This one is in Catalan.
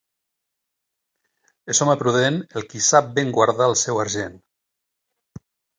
És home prudent el qui sap ben guardar el seu argent.